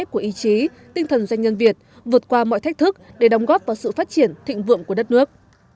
của ý chí tinh thần doanh nhân việt vượt qua mọi thách thức để đóng góp vào sự phát triển thịnh vượng của đất nước